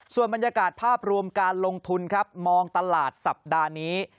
ส่วนบรรยากาศภาพรวมการลงทุนครับมองตลาดสัปดาห์นี้